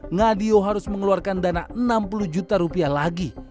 ngah dio harus mengeluarkan dana rp enam puluh juta lagi